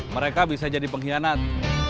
mereka bisa jadi pengkhianat